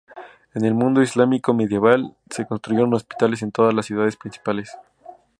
En el mundo islámico medieval se construyeron hospitales en todas las ciudades principales.